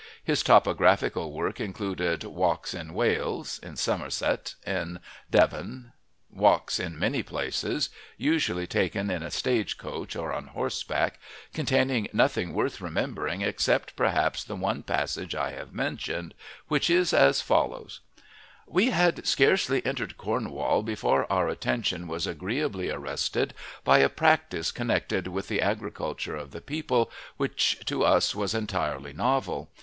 His topographical work included Walks in Wales, in Somerset, in Devon, Walks in many places, usually taken in a stage coach or on horseback, containing nothing worth remembering except perhaps the one passage I have mentioned, which is as follows: "We had scarcely entered Cornwall before our attention was agreeably arrested by a practice connected with the agriculture of the people, which to us was entirely novel.